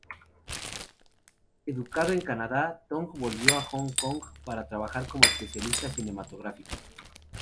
Educado en Canadá, Tong volvió a Hong Kong para trabajar como especialista cinematográfico.